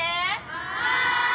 はい！